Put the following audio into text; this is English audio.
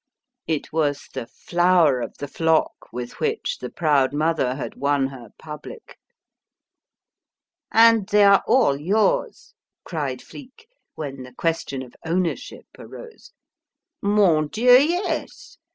It was the flower of the flock with which the proud mother had won her public. "And they are all yours!" cried Flique, when the question of ownership arose. "Mon Dieu, yes!